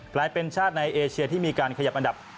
กลายเป็นชาติในเอเชียที่มีการขยับอันดับ